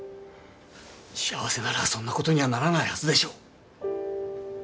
幸せならそんなことにはならないはずでしょう。